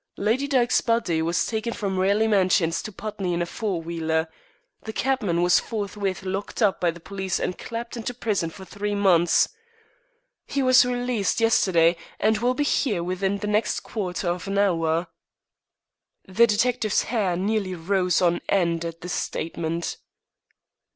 Lady Dyke's body was taken from Raleigh Mansions to Putney in a four wheeler. The cabman was forthwith locked up by the police and clapped into prison for three months. He was released yesterday, and will be here within the next quarter of an hour." The detective's hair nearly rose on end at this statement.